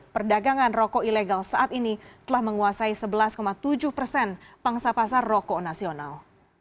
perdagangan rokok ilegal saat ini telah menguasai sebelas tujuh persen pangsa pasar rokok nasional